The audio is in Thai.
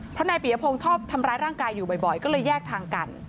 เพราะนายปียพงศ์ชอบทำร้ายร่างกายอยู่บ่อยก็เลยแยกทางกัน